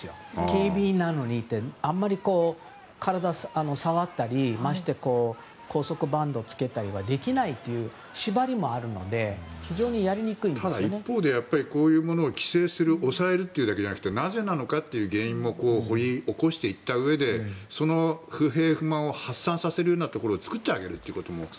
警備員なのであまり体を触ったりまして拘束バンドをつけたりはできないという縛りもあるのでただ一方でこういうものを規制するだけじゃなくてなぜなのかという原因も掘り起こしていったうえでその不平不満を発散させるようなところも作ってあげるという。